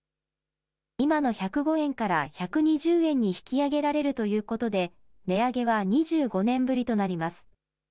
今の１０５円から１２０円に引き上げられるということで、値上げは２５年ぶりとなります。